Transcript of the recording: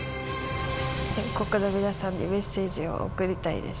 全国の皆さんにメッセージを送りたいです。